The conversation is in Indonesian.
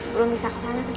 belum bisa kesana sih